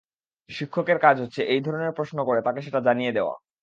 শিক্ষকের কাজ হচ্ছে, এই ধরনের প্রশ্ন করে তাকে সেটা জানিয়ে দেওয়া।